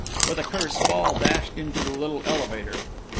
With a curse Fall dashed into the little elevator.